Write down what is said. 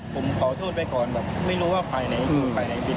ผมขอโทษไปก่อนแบบไม่รู้ว่าภายในภายในผิด